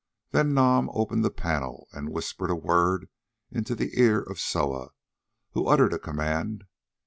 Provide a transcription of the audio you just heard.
Then Nam opened the panel and whispered a word into the ear of Soa, who uttered a command.